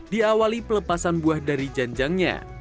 diawali pelepasan buah dari janjangnya